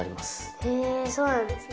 へえそうなんですね。